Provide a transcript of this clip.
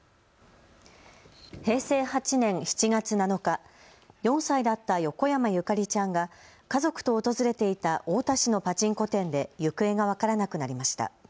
平成８年７月７日、４歳だった横山ゆかりちゃんが家族と訪れていた太田市のパチンコ店で行方が分からなくなりました。